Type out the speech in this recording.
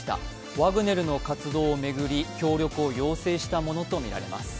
ワグネルの活動を巡り協力を要請したものとみられます。